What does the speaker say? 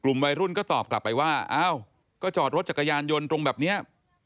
กลุ่มวัยรุ่นก็ตอบไปว่าเอ้าก็จอดรถจักรยานยนต์ตรงแบบเนี้ยมานานแล้วอืม